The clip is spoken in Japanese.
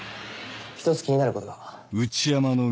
１つ気になることが。